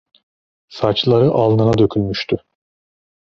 Saçları alnına dökülmüştü.